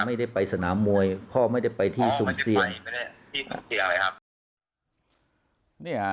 พ่อไม่ได้ไปสนามมวยพ่อไม่ได้ไปที่สุ่มเซียพ่อไม่ได้ไปที่สุ่มเซียเลยครับ